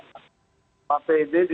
ini pasti bisa kita dengan inensi ya